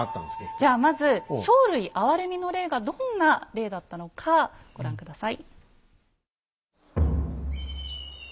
じゃあまず生類憐みの令がどんな令だったのかご覧下さい。